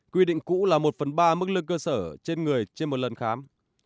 quy định cũ là một phần ba mức lương cơ sở trên người trên một lần khám